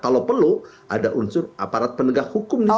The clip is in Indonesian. kalau perlu ada unsur aparat penegak hukum di sana